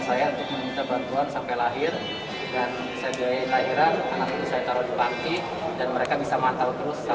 dan saya biayain lahiran anak itu saya taruh di panti dan mereka bisa mantel terus